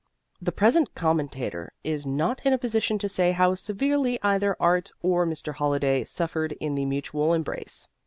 The present commentator is not in a position to say how severely either art or Mr. Holliday suffered in the mutual embrace.